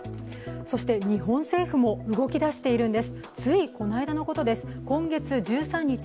そして、日本政府も動き出しているんです。